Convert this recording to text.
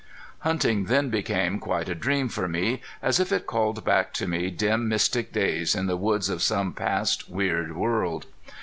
Hunting then became quite a dream for me, as if it called back to me dim mystic days in the woods of some past weird world.